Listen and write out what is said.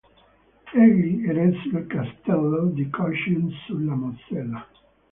Egli eresse il castello di Cochem sulla Mosella.